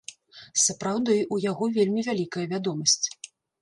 Сапраўды, у яго вельмі вялікая вядомасць.